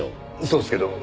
そうですけど。